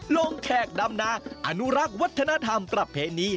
แขกดำนาอนุรักษ์วัฒนธรรมประเพณี